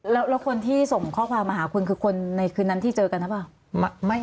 แล้วคนที่ส่งข้อความมาหาคุณคือคนในคืนนั้นที่เจอกันหรือเปล่า